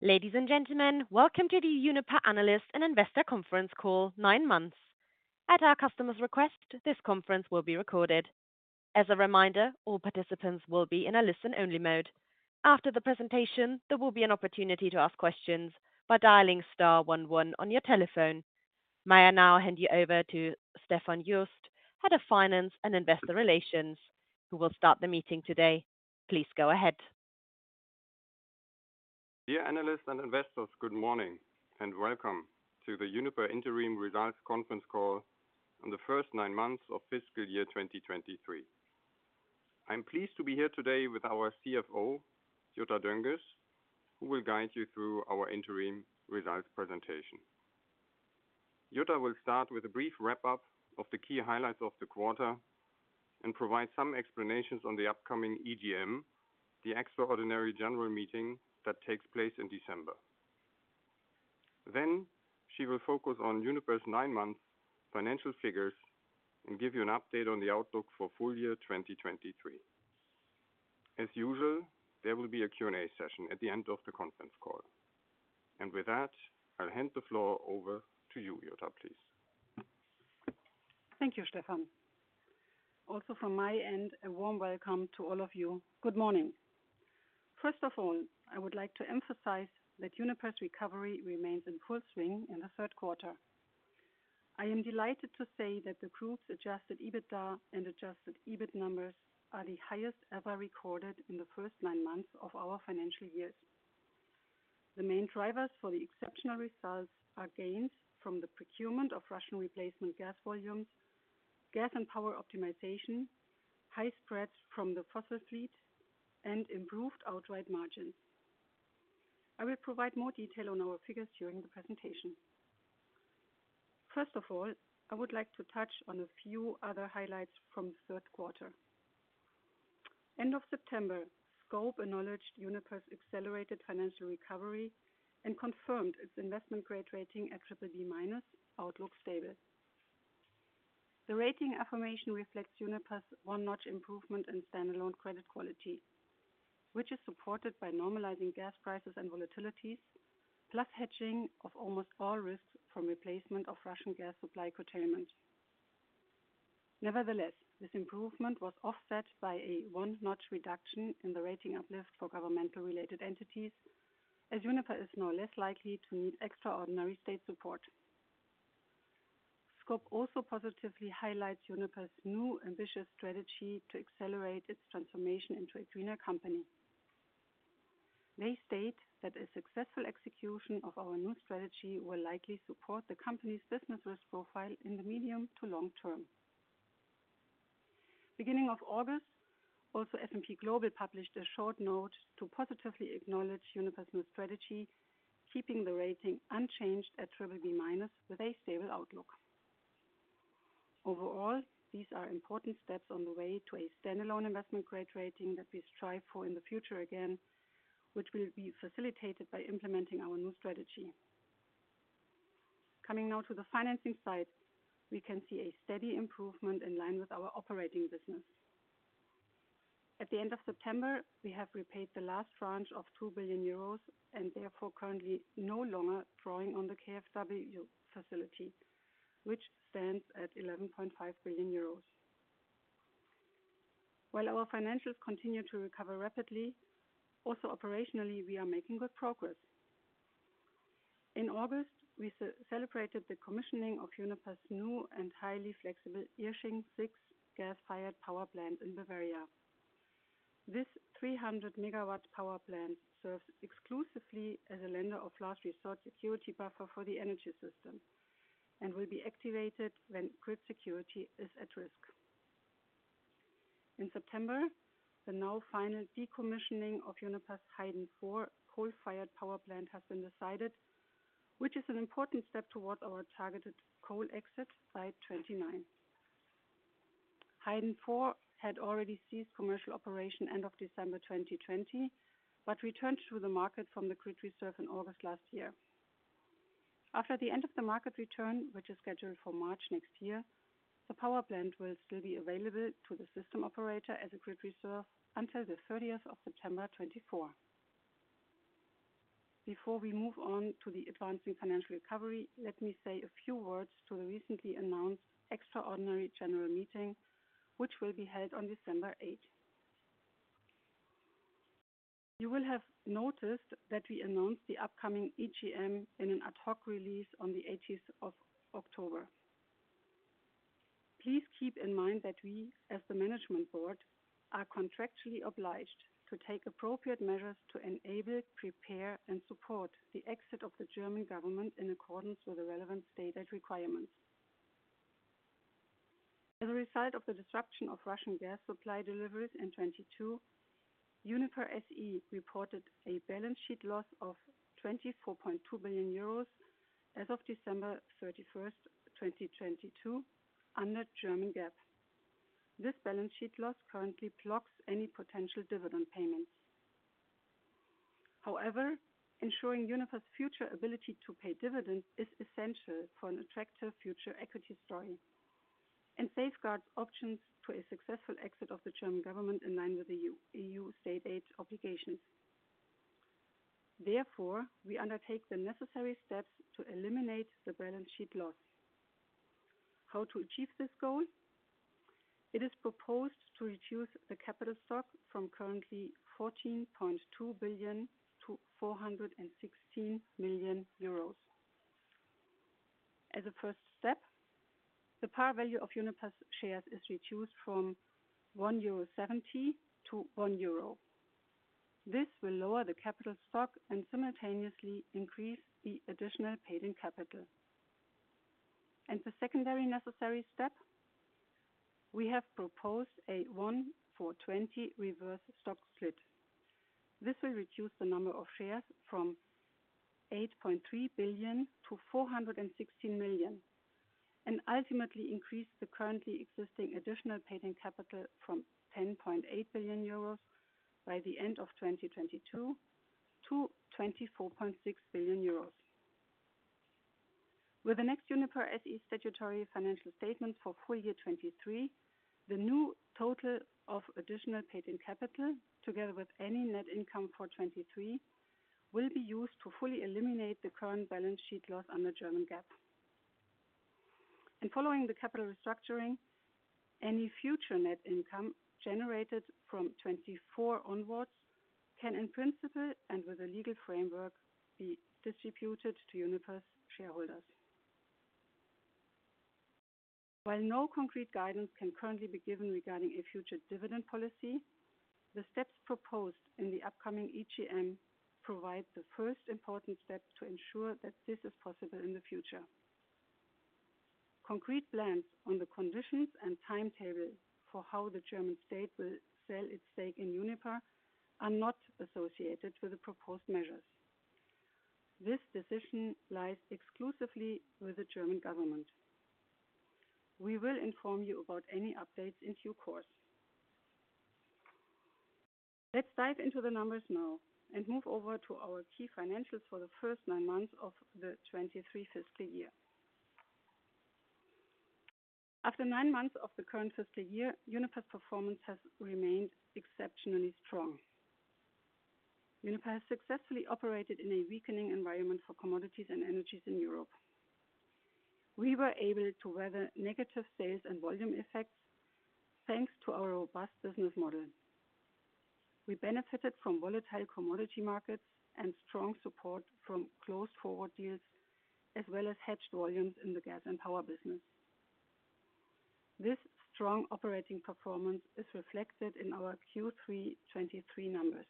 Ladies and gentlemen, welcome to the Uniper Analyst and Investor Conference Call, nine months. At our customer's request, this conference will be recorded. As a reminder, all participants will be in a listen-only mode. After the presentation, there will be an opportunity to ask questions by dialing star one one on your telephone. May I now hand you over to Stefan Jost, Head of Finance and Investor Relations, who will start the meeting today. Please go ahead. Dear analysts and investors, good morning, and welcome to the Uniper Interim Results conference call on the first nine months of fiscal year 2023. I'm pleased to be here today with our CFO, Jutta Dönges, who will guide you through our interim results presentation. Jutta will start with a brief wrap-up of the key highlights of the quarter and provide some explanations on the upcoming EGM, the Extraordinary General Meeting that takes place in December. Then she will focus on Uniper's nine-month financial figures and give you an update on the outlook for full year 2023. As usual, there will be a Q&A session at the end of the conference call. With that, I'll hand the floor over to you, Jutta, please. Thank you, Stefan. Also, from my end, a warm welcome to all of you. Good morning. First of all, I would like to emphasize that Uniper's recovery remains in full swing in the third quarter. I am delighted to say that the group's Adjusted EBITDA and adjusted EBIT numbers are the highest ever recorded in the first nine months of our financial year. The main drivers for the exceptional results are gains from the procurement of Russian replacement gas volumes, gas and power optimization, high spreads from the fossil fleet, and improved outright margins. I will provide more detail on our figures during the presentation. First of all, I would like to touch on a few other highlights from the third quarter. End of September, Scope acknowledged Uniper's accelerated financial recovery and confirmed its investment-grade rating at BBB-, outlook stable. The rating affirmation reflects Uniper's one-notch improvement in standalone credit quality, which is supported by normalizing gas prices and volatilities, plus hedging of almost all risks from replacement of Russian gas supply curtailment. Nevertheless, this improvement was offset by a one-notch reduction in the rating uplift for governmental-related entities, as Uniper is now less likely to need extraordinary state support. Scope also positively highlights Uniper's new ambitious strategy to accelerate its transformation into a greener company. They state that a successful execution of our new strategy will likely support the company's business risk profile in the medium to long term. Beginning of August, also S&P Global published a short note to positively acknowledge Uniper's new strategy, keeping the rating unchanged at BBB- with a stable outlook. Overall, these are important steps on the way to a standalone investment-grade rating that we strive for in the future again, which will be facilitated by implementing our new strategy. Coming now to the financing side, we can see a steady improvement in line with our operating business. At the end of September, we have repaid the last tranche of 2 billion euros and therefore currently no longer drawing on the KfW facility, which stands at 11.5 billion euros. While our financials continue to recover rapidly, also operationally, we are making good progress. In August, we celebrated the commissioning of Uniper's new and highly flexible Irsching 6 gas-fired power plant in Bavaria. This 300 MW power plant serves exclusively as a lender of last resort security buffer for the energy system and will be activated when grid security is at risk. In September, the now final decommissioning of Uniper's Heyden 4 coal-fired power plant has been decided, which is an important step towards our targeted coal exit by 2029. Heyden 4 had already ceased commercial operation end of December 2020, but returned to the market from the grid reserve in August last year. After the end of the market return, which is scheduled for March next year, the power plant will still be available to the system operator as a grid reserve until the 30th of September 2024. Before we move on to the advancing financial recovery, let me say a few words to the recently announced extraordinary general meeting, which will be held on December 8. You will have noticed that we announced the upcoming EGM in an ad hoc release on the 18th of October. Please keep in mind that we, as the management board, are contractually obliged to take appropriate measures to enable, prepare, and support the exit of the German government in accordance with the relevant stated requirements. As a result of the disruption of Russian gas supply deliveries in 2022, Uniper SE reported a balance sheet loss of 24.2 billion euros as of December 31, 2022, under German GAAP. This balance sheet loss currently blocks any potential dividend payments. However, ensuring Uniper's future ability to pay dividends is essential for an attractive future equity story... and safeguards options to a successful exit of the German government in line with the EU, EU state aid obligations. Therefore, we undertake the necessary steps to eliminate the balance sheet loss. How to achieve this goal? It is proposed to reduce the capital stock from currently 14.2 billion to 416 million euros. As a first step, the par value of Uniper's shares is reduced from 1.70 euro to 1 euro. This will lower the capital stock and simultaneously increase the additional paid-in capital. The secondary necessary step, we have proposed a 1-for-20 reverse stock split. This will reduce the number of shares from 8.3 billion to 416 million, and ultimately increase the currently existing additional paid-in capital from 10.8 billion euros by the end of 2022 to 24.6 billion euros. With the next Uniper SE statutory financial statement for full year 2023, the new total of additional paid-in capital, together with any net income for 2023, will be used to fully eliminate the current balance sheet loss under German GAAP. Following the capital restructuring, any future net income generated from 2024 onwards can, in principle, and with a legal framework, be distributed to Uniper's shareholders. While no concrete guidance can currently be given regarding a future dividend policy, the steps proposed in the upcoming EGM provide the first important step to ensure that this is possible in the future. Concrete plans on the conditions and timetable for how the German state will sell its stake in Uniper are not associated with the proposed measures. This decision lies exclusively with the German government. We will inform you about any updates in due course. Let's dive into the numbers now and move over to our key financials for the first nine months of the 2023 fiscal year. After nine months of the current fiscal year, Uniper's performance has remained exceptionally strong. Uniper has successfully operated in a weakening environment for commodities and energies in Europe. We were able to weather negative sales and volume effects, thanks to our robust business model. We benefited from volatile commodity markets and strong support from closed forward deals, as well as hedged volumes in the gas and power business. This strong operating performance is reflected in our Q3 2023 numbers.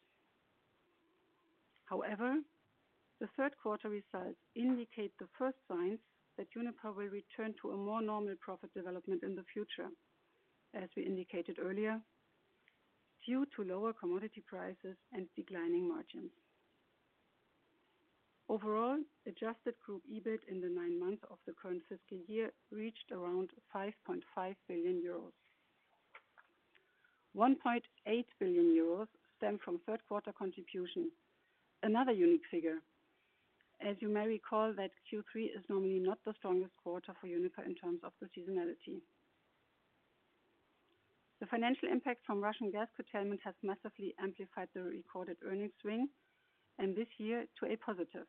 However, the third quarter results indicate the first signs that Uniper will return to a more normal profit development in the future, as we indicated earlier, due to lower commodity prices and declining margins. Overall, Adjusted group EBIT in the nine months of the current fiscal year reached around 5.5 billion euros. 1.8 billion euros stemmed from third quarter contributions. Another unique figure, as you may recall, that Q3 is normally not the strongest quarter for Uniper in terms of the seasonality. The financial impact from Russian gas curtailment has massively amplified the recorded earnings swing, and this year to a positive.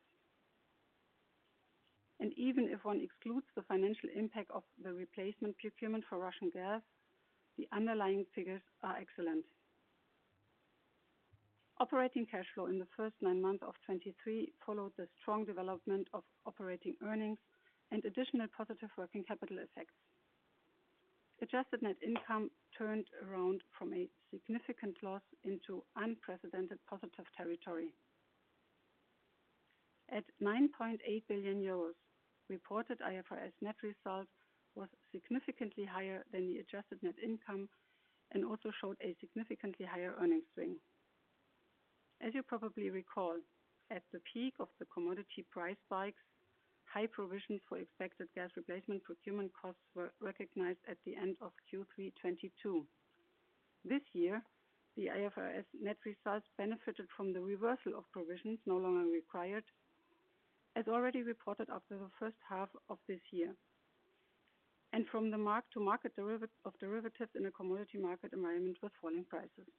And even if one excludes the financial impact of the replacement procurement for Russian gas, the underlying figures are excellent. Operating cash flow in the first nine months of 2023 followed the strong development of operating earnings and additional positive working capital effects. Adjusted Net Income turned around from a significant loss into unprecedented positive territory. At 9.8 billion euros, reported IFRS net result was significantly higher than the adjusted net income and also showed a significantly higher earnings swing. As you probably recall, at the peak of the commodity price spikes, high provisions for expected gas replacement procurement costs were recognized at the end of Q3 2022. This year, the IFRS net results benefited from the reversal of provisions no longer required, as already reported after the first half of this year, and from the mark-to-market of derivatives in a commodity market environment with falling prices.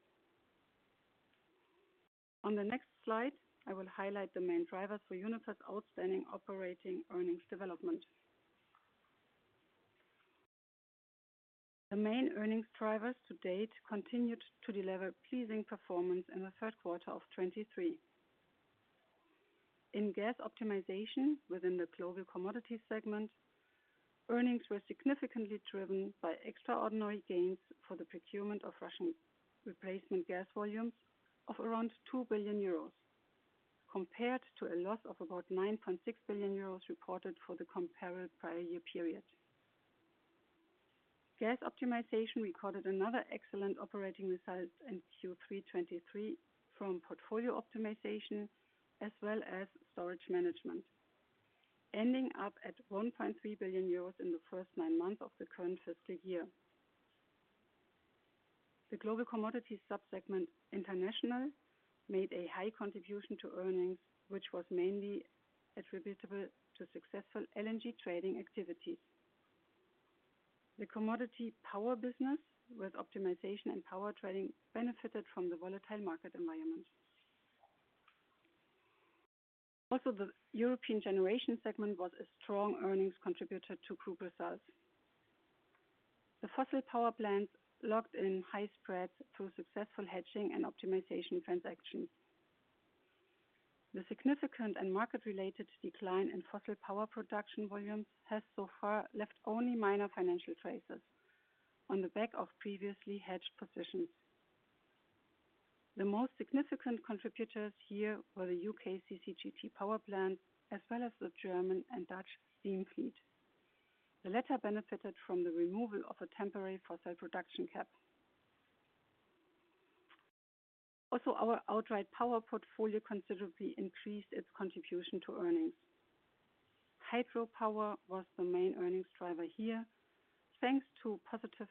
On the next slide, I will highlight the main drivers for Uniper's outstanding operating earnings development. The main earnings drivers to date continued to deliver pleasing performance in the third quarter of 2023. In gas optimization within the Global Commodities segment, earnings were significantly driven by extraordinary gains for the procurement of Russian replacement gas volumes of around 2 billion euros, compared to a loss of about 9.6 billion euros reported for the comparative prior year period. Gas optimization recorded another excellent operating result in Q3 2023 from portfolio optimization as well as storage management, ending up at 1.3 billion euros in the first nine months of the current fiscal year. The Global Commodities sub-segment International made a high contribution to earnings, which was mainly attributable to successful LNG trading activities. The commodity power business, with optimization and power trading, benefited from the volatile market environment. Also, the European Generation segment was a strong earnings contributor to group results. The fossil power plants locked in high spreads through successful hedging and optimization transactions. The significant and market-related decline in fossil power production volumes has so far left only minor financial traces on the back of previously hedged positions. The most significant contributors here were the U.K. CCGT power plant, as well as the German and Dutch steam fleet. The latter benefited from the removal of a temporary fossil production cap. Also, our outright power portfolio considerably increased its contribution to earnings. Hydropower was the main earnings driver here, thanks to positive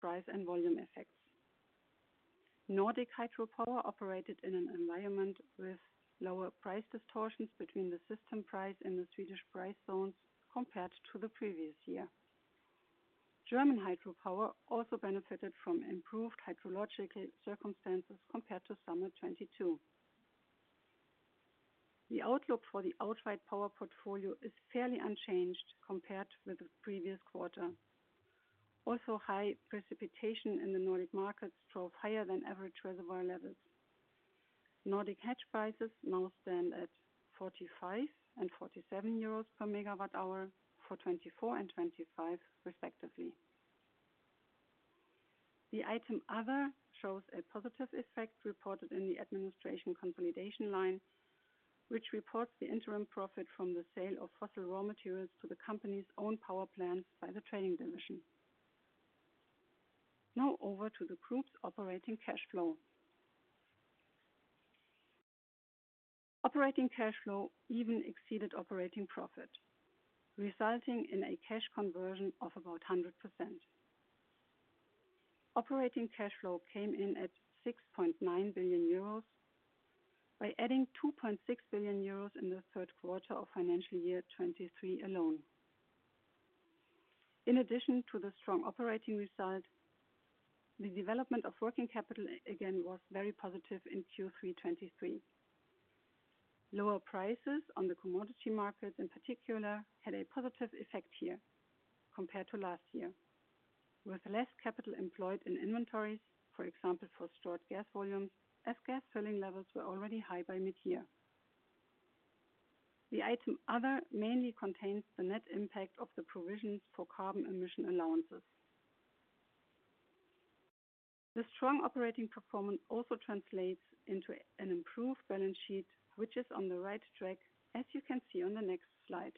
price and volume effects. Nordic hydropower operated in an environment with lower price distortions between the system price and the Swedish price zones compared to the previous year. German hydropower also benefited from improved hydrological circumstances compared to summer 2022. The outlook for the outright power portfolio is fairly unchanged compared with the previous quarter. Also, high precipitation in the Nordic markets drove higher than average reservoir levels. Nordic hedge prices now stand at 45 and 47 euros per MWh for 2024 and 2025, respectively. The item Other shows a positive effect reported in the administration consolidation line, which reports the interim profit from the sale of fossil raw materials to the company's own power plants by the trading division. Now over to the group's operating cash flow. Operating cash flow even exceeded operating profit, resulting in a cash conversion of about 100%. Operating cash flow came in at 6.9 billion euros, by adding 2.6 billion euros in the third quarter of financial year 2023 alone. In addition to the strong operating result, the development of working capital again was very positive in Q3 2023. Lower prices on the commodity markets, in particular, had a positive effect here compared to last year, with less capital employed in inventories, for example, for stored gas volumes, as gas filling levels were already high by mid-year. The item Other mainly contains the net impact of the provisions for carbon emission allowances. The strong operating performance also translates into an improved balance sheet, which is on the right track, as you can see on the next slide.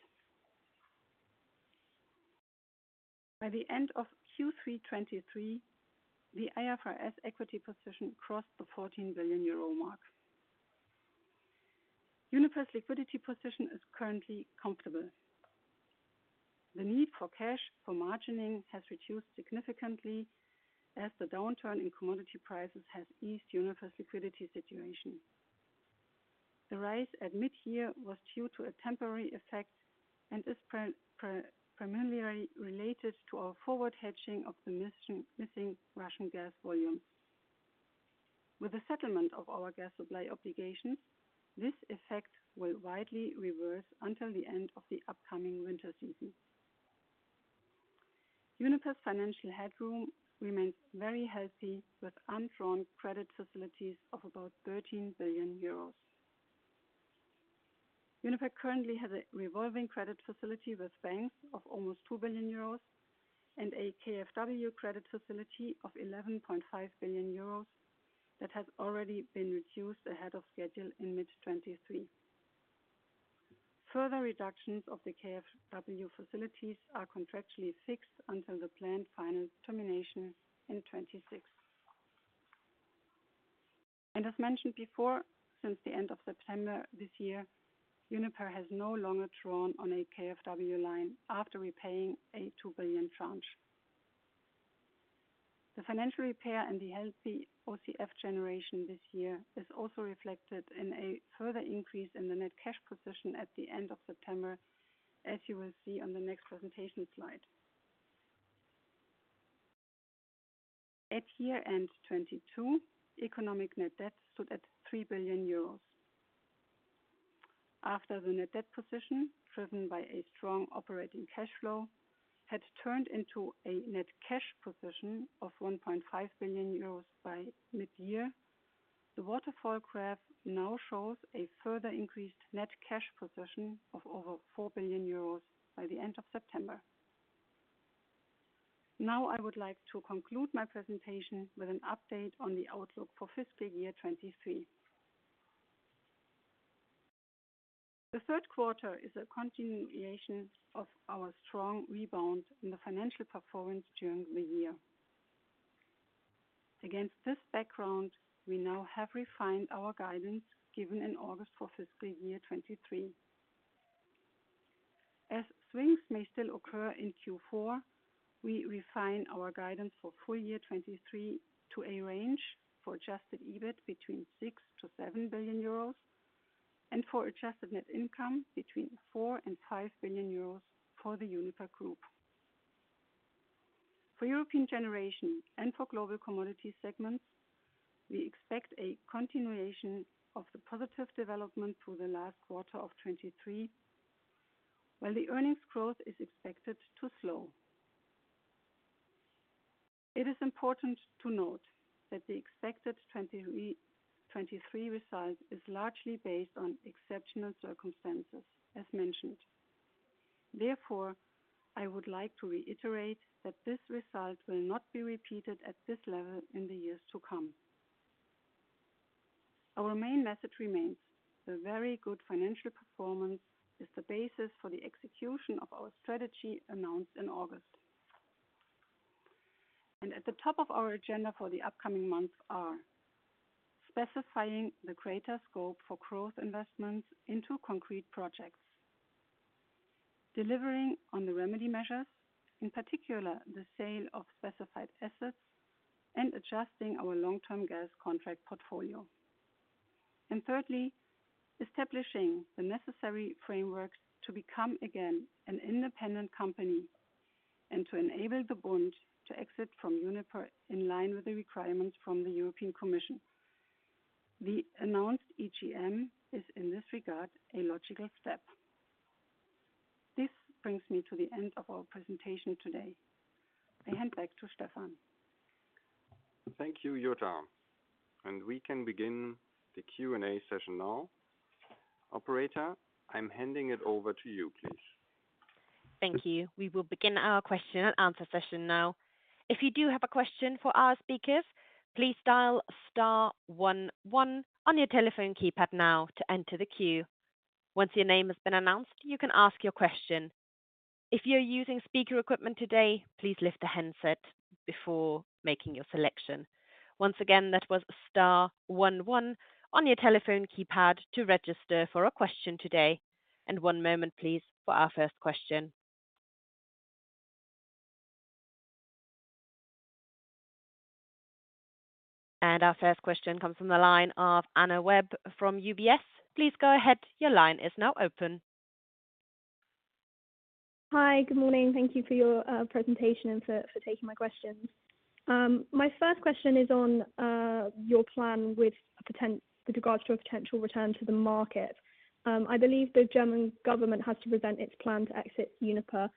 By the end of Q3 2023, the IFRS equity position crossed the 14 billion euro mark. Uniper's liquidity position is currently comfortable. The need for cash for margining has reduced significantly as the downturn in commodity prices has eased Uniper's liquidity situation. The rise at mid-year was due to a temporary effect and is primarily related to our forward hedging of the missing Russian gas volumes. With the settlement of our gas supply obligations, this effect will widely reverse until the end of the upcoming winter season. Uniper's financial headroom remains very healthy, with undrawn credit facilities of about 13 billion euros. Uniper currently has a revolving credit facility with banks of almost 2 billion euros and a KfW credit facility of 11.5 billion euros that has already been reduced ahead of schedule in mid-2023. Further reductions of the KfW facilities are contractually fixed until the planned final termination in 2026. As mentioned before, since the end of September this year, Uniper has no longer drawn on a KfW line after repaying a 2 billion tranche. The financial repair and the healthy OCF generation this year is also reflected in a further increase in the net cash position at the end of September, as you will see on the next presentation slide. At year-end 2022, economic net debt stood at 3 billion euros. After the net debt position, driven by a strong operating cash flow, had turned into a net cash position of 1.5 billion euros by mid-year, the waterfall graph now shows a further increased net cash position of over 4 billion euros by the end of September. Now, I would like to conclude my presentation with an update on the outlook for fiscal year 2023. The third quarter is a continuation of our strong rebound in the financial performance during the year. Against this background, we now have refined our guidance, given in August for fiscal year 2023. As swings may still occur in Q4, we refine our guidance for full year 2023 to a range for adjusted EBIT between 6 billion-7 billion euros, and for adjusted net income between 4 billion and 5 billion euros for the Uniper group. For European Generation and for global commodity segments, we expect a continuation of the positive development through the last quarter of 2023, while the earnings growth is expected to slow. It is important to note that the expected 2023 2023 result is largely based on exceptional circumstances, as mentioned. Therefore, I would like to reiterate that this result will not be repeated at this level in the years to come. Our main message remains: a very good financial performance is the basis for the execution of our strategy announced in August. At the top of our agenda for the upcoming months are: specifying the greater scope for growth investments into concrete projects, delivering on the remedy measures, in particular, the sale of specified assets, and adjusting our long-term gas contract portfolio. Thirdly, establishing the necessary frameworks to become again an independent company and to enable the Bund to exit from Uniper in line with the requirements from the European Commission. The announced EGM is, in this regard, a logical step. This brings me to the end of our presentation today. I hand back to Stefan. Thank you, Jutta. We can begin the Q&A session now. Operator, I'm handing it over to you, please. Thank you. We will begin our question and answer session now. If you do have a question for our speakers, please dial star one one on your telephone keypad now to enter the queue. Once your name has been announced, you can ask your question. If you're using speaker equipment today, please lift the handset before making your selection. Once again, that was star one one on your telephone keypad to register for a question today, and one moment, please, for our first question. Our first question comes from the line of Anna Webb from UBS. Please go ahead. Your line is now open. Hi, good morning. Thank you for your presentation and for taking my questions. My first question is on your plan with regards to a potential return to the market. I believe the German government has to present its plan to exit Uniper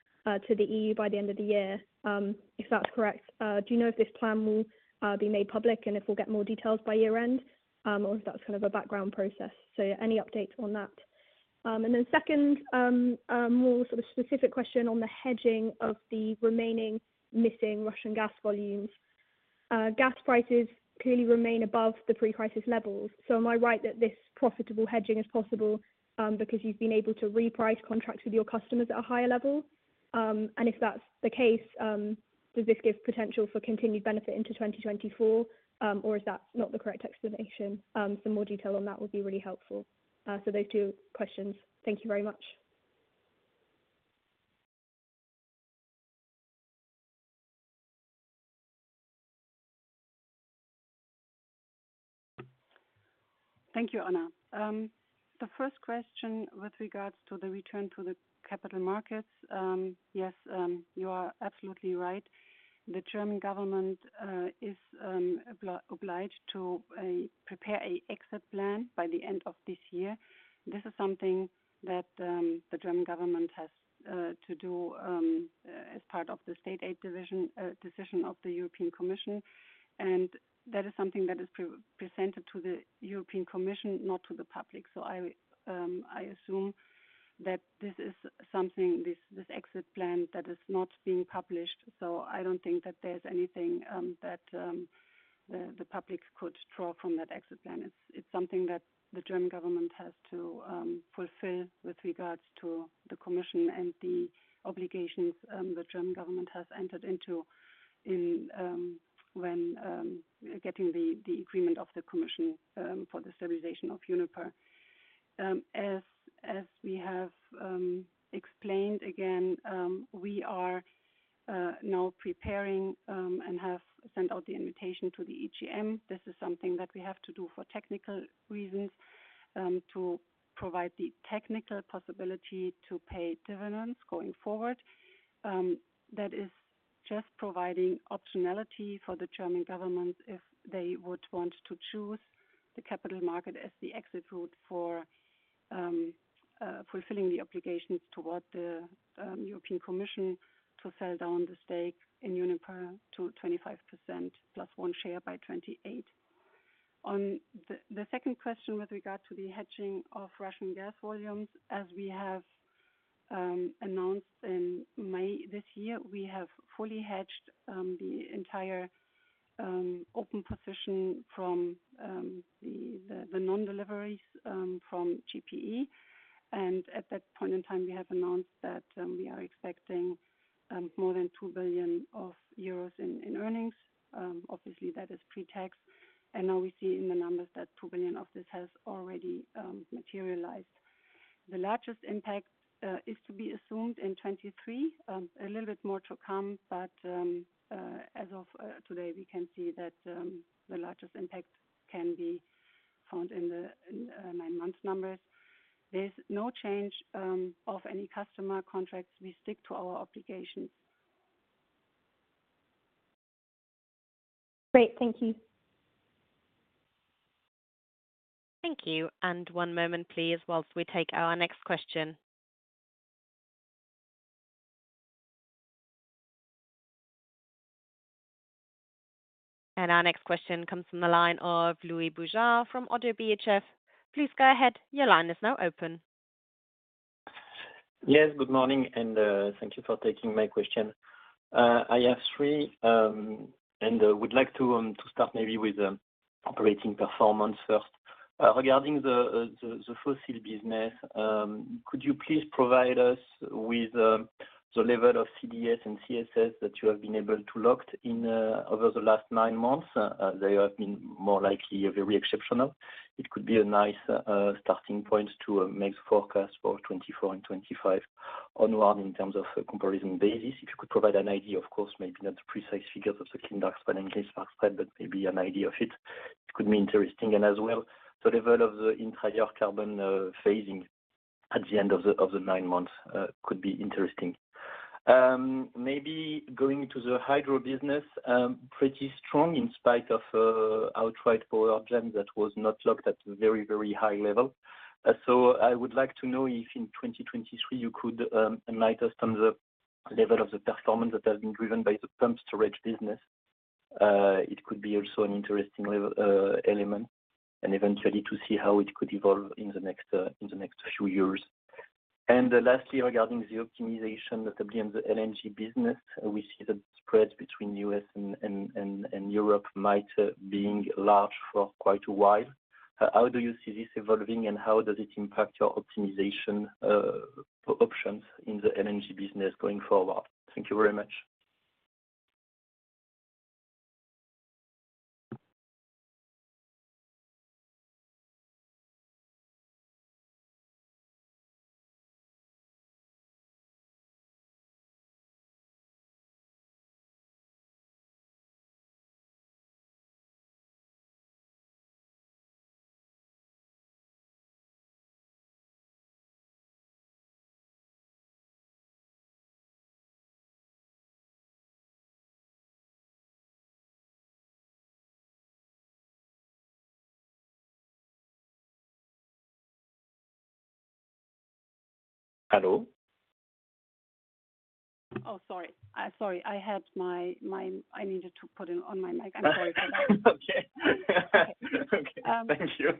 to the EU by the end of the year. If that's correct, do you know if this plan will be made public, and if we'll get more details by year-end? Or if that's kind of a background process. Any updates on that? And then second, a more sort of specific question on the hedging of the remaining missing Russian gas volumes. Gas prices clearly remain above the pre-crisis levels. So am I right that this profitable hedging is possible, because you've been able to reprice contracts with your customers at a higher level? And if that's the case, does this give potential for continued benefit into 2024, or is that not the correct explanation? Some more detail on that would be really helpful. So those two questions. Thank you very much. Thank you, Anna. The first question with regards to the return to the capital markets, yes, you are absolutely right. The German government is obliged to prepare an exit plan by the end of this year. This is something that the German government has to do as part of the state aid decision of the European Commission. And that is something that is presented to the European Commission, not to the public. So I assume that this exit plan is not being published, so I don't think that there's anything that the public could draw from that exit plan. It's something that the German government has to fulfill with regards to the Commission and the obligations the German government has entered into in when getting the agreement of the Commission for the stabilization of Uniper. As we have explained, again, we are now preparing and have sent out the invitation to the EGM. This is something that we have to do for technical reasons to provide the technical possibility to pay dividends going forward. That is just providing optionality for the German government if they would want to choose the capital market as the exit route for fulfilling the obligations toward the European Commission to sell down the stake in Uniper to 25% plus one share by 2028. On the second question with regard to the hedging of Russian gas volumes, as we have announced in May this year, we have fully hedged the entire open position from the non-deliveries from GPE. At that point in time, we have announced that we are expecting more than 2 billion euros in earnings. Obviously that is pre-tax, and now we see in the numbers that 2 billion of this has already materialized. The largest impact is to be assumed in 2023, a little bit more to come, but as of today, we can see that the largest impact can be found in the nine-month numbers. There's no change of any customer contracts. We stick to our obligations. Great, thank you. Thank you, and one moment, please, whilst we take our next question. Our next question comes from the line of Louis Boujard from Oddo BHF. Please go ahead. Your line is now open. Yes, good morning, and thank you for taking my question. I have three, and would like to to start maybe with operating performance first. Regarding the fossil business, could you please provide us with the level of CDS and CSS that you have been able to locked in over the last nine months? They have been more likely very exceptional. It could be a nice starting point to make forecast for 2024 and 2025 onward in terms of a comparison basis. If you could provide an idea, of course, maybe not the precise figures of the clean dark spread and spark dark spread, but maybe an idea of it, it could be interesting. And as well, the level of the entire carbon phasing at the end of the nine months could be interesting. Maybe going to the hydro business, pretty strong in spite of outright power gen that was not locked at very, very high level. So I would like to know if in 2023, you could enlighten us on the level of the performance that has been driven by the pumped storage business. It could be also an interesting element, and eventually to see how it could evolve in the next few years. And lastly, regarding the optimization, notably in the LNG business, we see the spread between U.S. and Europe might being large for quite a while. How do you see this evolving, and how does it impact your optimization options in the LNG business going forward? Thank you very much. Hello? Oh, sorry. Sorry, I had my... I needed to put on my mic. I'm sorry for that. Okay. Okay. Thank you.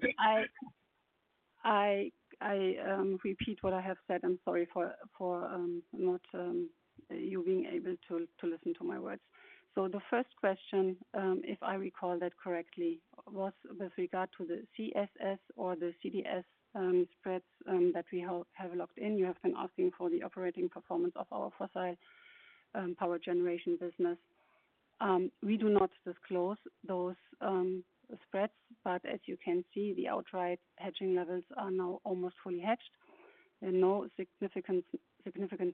I repeat what I have said. I'm sorry for not you being able to listen to my words. So the first question, if I recall that correctly, was with regard to the CSS or the CDS spreads that we have locked in. You have been asking for the operating performance of our fossil power generation business. We do not disclose those spreads, but as you can see, the outright hedging levels are now almost fully hedged and no significant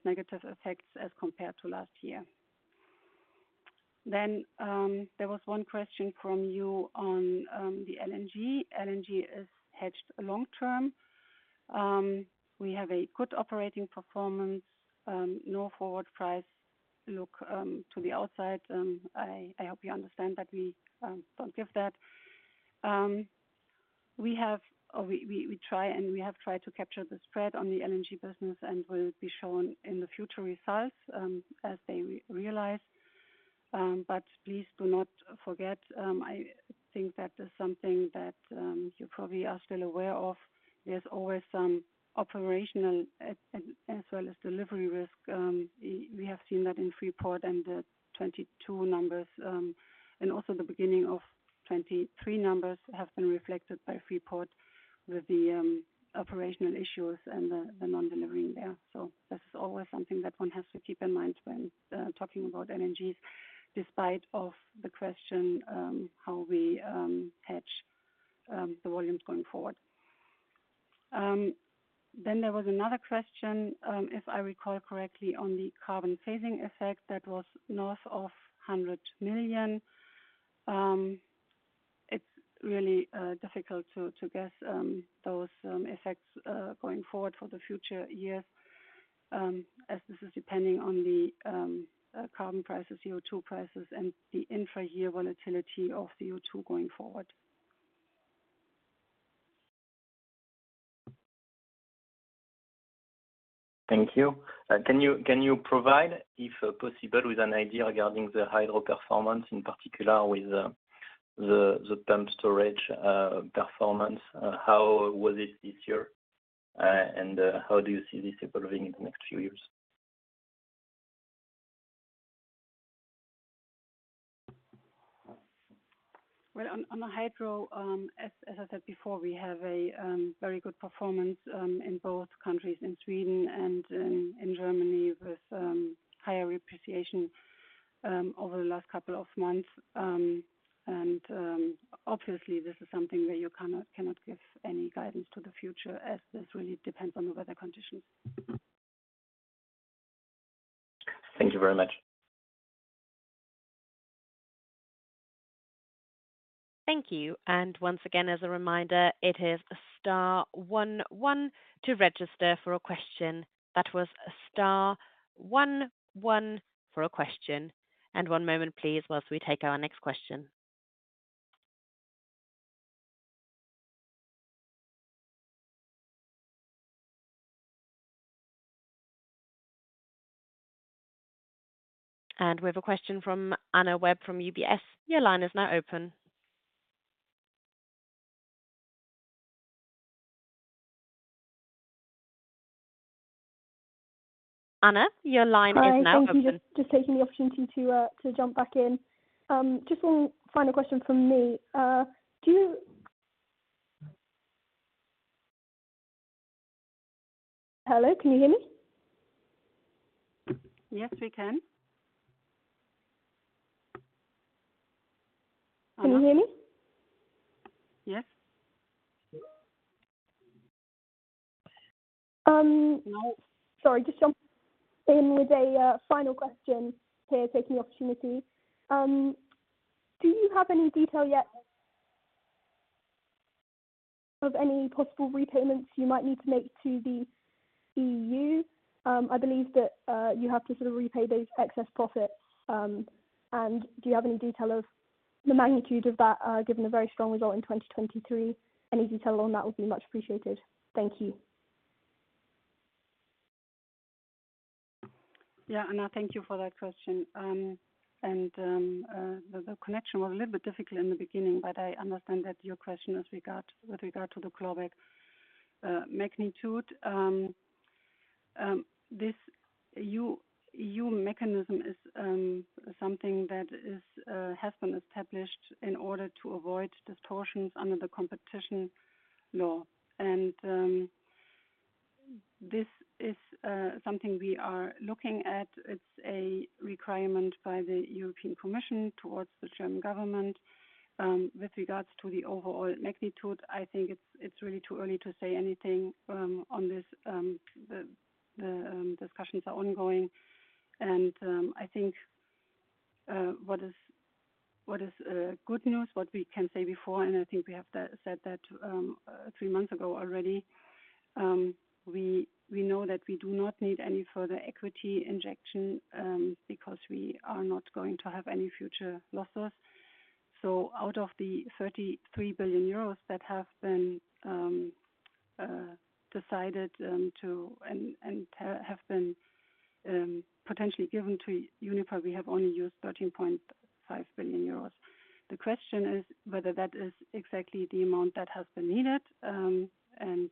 negative effects as compared to last year. Then, there was one question from you on the LNG. LNG is hedged long term. We have a good operating performance, no forward price look to the outside. I hope you understand that we don't give that. We have or we try and we have tried to capture the spread on the LNG business and will be shown in the future results, as they realize. But please do not forget, I think that is something that you probably are still aware of. There's always some operational as well as delivery risk. We have seen that in Freeport and the 2022 numbers, and also the beginning of 2023 numbers have been reflected by Freeport with the operational issues and the non-delivery there. So that's always something that one has to keep in mind when talking about LNG, despite of the question how we hedge the volumes going forward. Then there was another question, if I recall correctly, on the carbon phasing effect, that was north of 100 million. It's really difficult to guess those effects going forward for the future years, as this is depending on the carbon prices, CO2 prices, and the intra-year volatility of CO2 going forward. Thank you. Can you provide, if possible, with an idea regarding the hydro performance, in particular with the pumped storage performance? How was it this year, and how do you see this evolving in the next few years? ... Well, on the hydro, as I said before, we have a very good performance in both countries, in Sweden and in Germany, with higher appreciation over the last couple of months. Obviously, this is something that you cannot give any guidance to the future, as this really depends on the weather conditions. Thank you very much. Thank you. And once again, as a reminder, it is star one one to register for a question. That was star one one for a question. And one moment, please, whilst we take our next question. And we have a question from Anna Webb from UBS. Your line is now open. Anna, your line is now open. Hi, thank you. Just taking the opportunity to jump back in. Just one final question from me. Do you... Hello, can you hear me? Yes, we can. Anna? Can you hear me? Yes. Um- Now. Sorry, just jump in with a final question here, taking the opportunity. Do you have any detail yet of any possible repayments you might need to make to the EU? I believe that you have to sort of repay those excess profits. And do you have any detail of the magnitude of that, given the very strong result in 2023? Any detail on that would be much appreciated. Thank you. Yeah, Anna, thank you for that question. The connection was a little bit difficult in the beginning, but I understand that your question with regard to the global magnitude. This EU mechanism is something that has been established in order to avoid distortions under the competition law. And this is something we are looking at. It's a requirement by the European Commission towards the German government. With regards to the overall magnitude, I think it's really too early to say anything on this. The discussions are ongoing, and I think what is good news what we can say before, and I think we have said that three months ago already, we know that we do not need any further equity injection because we are not going to have any future losses. So out of the 33 billion euros that have been decided to and have been potentially given to Uniper, we have only used 13.5 billion euros. The question is whether that is exactly the amount that has been needed. And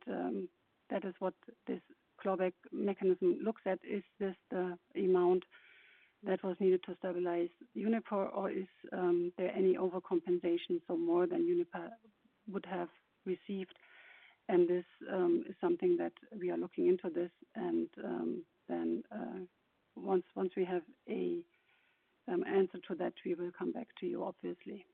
that is what this global mechanism looks at. Is this the amount that was needed to stabilize Uniper, or is there any overcompensation for more than Uniper would have received? This is something that we are looking into, and then, once we have an answer to that, we will come back to you, obviously.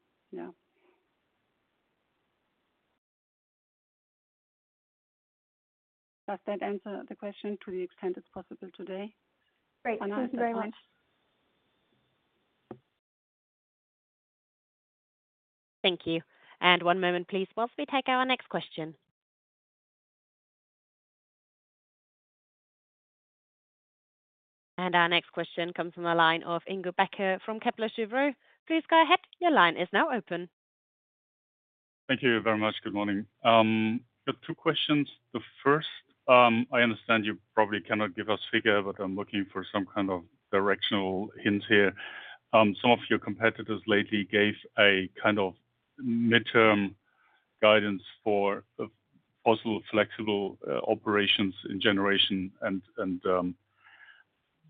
Yeah. Does that answer the question to the extent it's possible today? Great. Thank you very much. Thank you. And one moment, please, whilst we take our next question. And our next question comes from the line of Ingo Becker from Kepler Cheuvreux. Please go ahead. Your line is now open. Thank you very much. Good morning. I've got two questions. The first, I understand you probably cannot give us figure, but I'm looking for some kind of directional hint here. Some of your competitors lately gave a kind of midterm guidance for fossil flexible operations in generation, and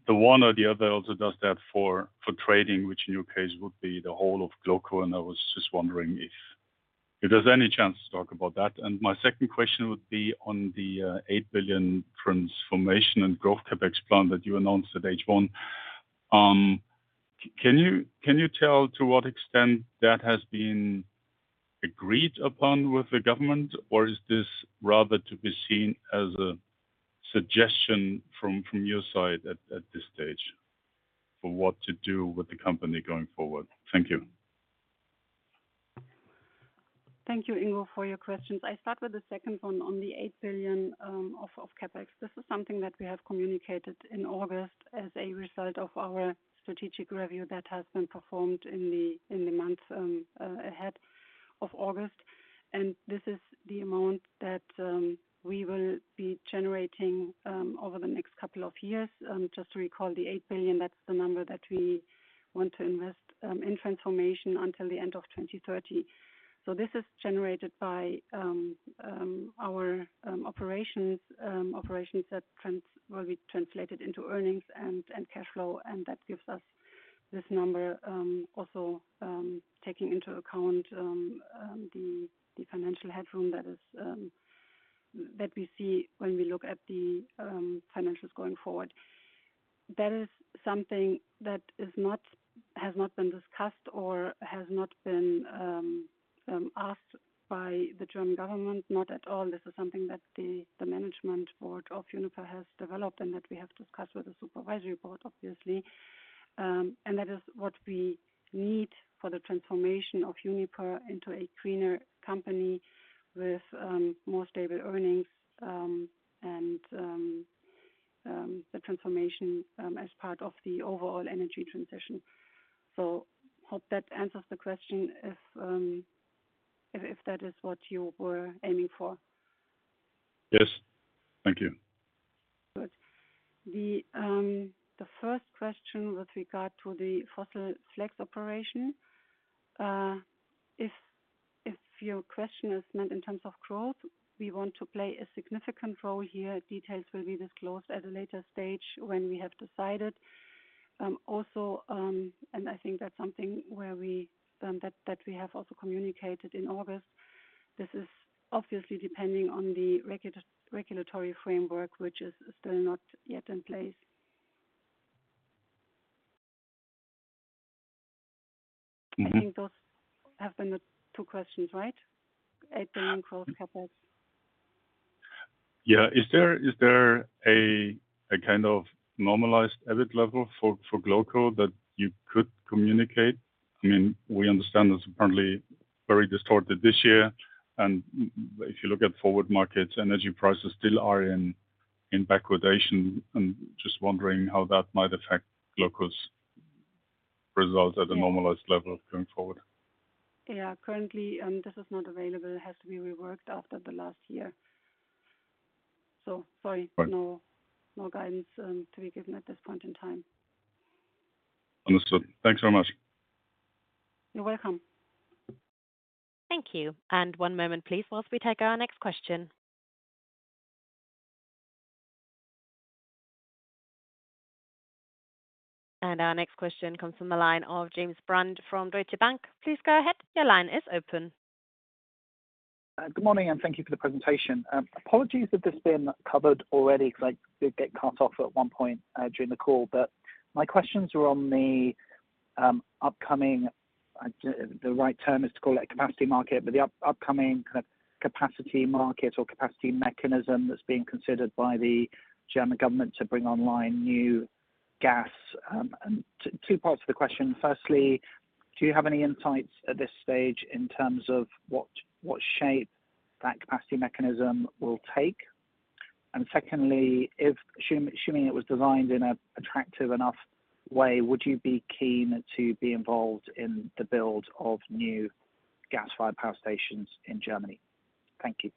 the one or the other also does that for trading, which in your case would be the whole of GloCo. And I was just wondering if there's any chance to talk about that. And my second question would be on the 8 billion transformation and growth CapEx plan that you announced at H1. Can you tell to what extent that has been agreed upon with the government, or is this rather to be seen as a suggestion from your side at this stage for what to do with the company going forward? Thank you. Thank you, Ingo, for your questions. I start with the second one on the 8 billion of CapEx. This is something that we have communicated in August as a result of our strategic review that has been performed in the months ahead of August. This is the amount that we will be generating over the next couple of years. Just to recall, the 8 billion, that's the number that we want to invest in transformation until the end of 2030. So this is generated by our operations that will be translated into earnings and cash flow, and that gives us this number. Also, taking into account the financial headroom that we see when we look at the financials going forward. That is something that is not, has not been discussed or has not been asked by the German government, not at all. This is something that the management board of Uniper has developed and that we have discussed with the supervisory board, obviously. And that is what we need for the transformation of Uniper into a cleaner company with more stable earnings, and the transformation as part of the overall energy transition. So hope that answers the question if that is what you were aiming for. Yes. Thank you. Good. The first question with regard to the fossil flex operation, if your question is meant in terms of growth, we want to play a significant role here. Details will be disclosed at a later stage when we have decided. Also, and I think that's something that we have also communicated in August. This is obviously depending on the regulatory framework, which is still not yet in place. I think those have been the two questions, right? Yeah. Is there a kind of normalized EBIT level for GloCo that you could communicate? I mean, we understand it's apparently very distorted this year, and if you look at forward markets, energy prices still are in backwardation, and just wondering how that might affect GloCo's results at a normalized level going forward. Yeah, currently, this is not available. It has to be reworked after the last year. So sorry- Right. No, no guidance to be given at this point in time. Understood. Thanks so much. You're welcome. Thank you. And one moment, please, whilst we take our next question. And our next question comes from the line of James Brand from Deutsche Bank. Please go ahead. Your line is open. Good morning, and thank you for the presentation. Apologies if this has been covered already, because I did get cut off at one point during the call. But my questions were on the upcoming kind of capacity market or capacity mechanism that's being considered by the German government to bring online new gas. And two parts to the question. Firstly, do you have any insights at this stage in terms of what shape that capacity mechanism will take? And secondly, if assuming it was designed in an attractive enough way, would you be keen to be involved in the build of new gas-fired power stations in Germany? Thank you.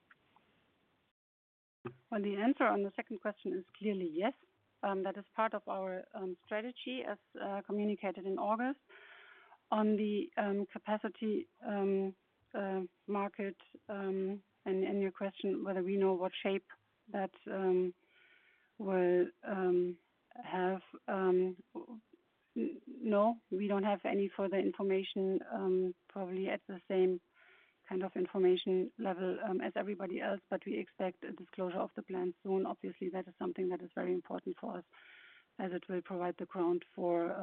Well, the answer on the second question is clearly yes. That is part of our strategy, as communicated in August. On the capacity market, and your question, whether we know what shape that will have, no, we don't have any further information, probably at the same kind of information level, as everybody else, but we expect a disclosure of the plan soon. Obviously, that is something that is very important for us, as it will provide the ground for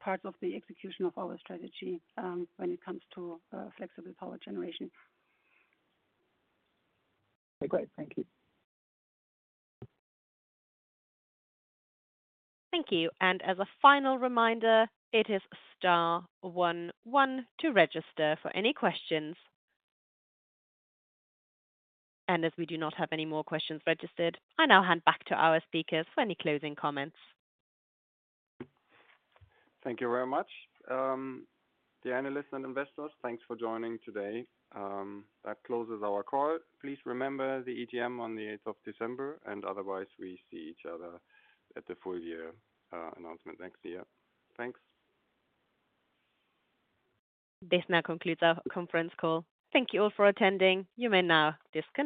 parts of the execution of our strategy, when it comes to flexible power generation. Okay, great. Thank you. Thank you. As a final reminder, it is star one one to register for any questions. As we do not have any more questions registered, I now hand back to our speakers for any closing comments. Thank you very much. The analysts and investors, thanks for joining today. That closes our call. Please remember the EGM on the eighth of December, and otherwise, we see each other at the full year announcement next year. Thanks. This now concludes our conference call. Thank you all for attending. You may now disconnect.